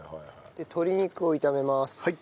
で鶏肉を炒めます。